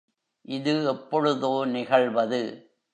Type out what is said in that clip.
இது எப்பொழுதோ நிகழ்வது.